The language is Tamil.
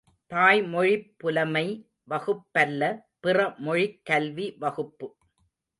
தாய்மொழிப் புலமை வகுப்பல்ல பிற மொழிக் கல்வி வகுப்பு.